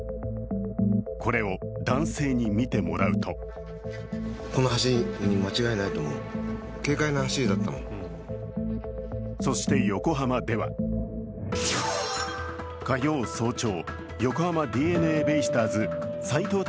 これを男性に見てもらうとそして横浜では火曜早朝、横浜ＤｅＮＡベイスターズ、斎藤隆